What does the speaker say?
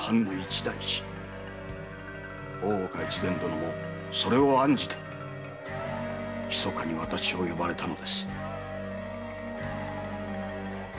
大岡越前殿もそれを案じてひそかに私を呼ばれたのです。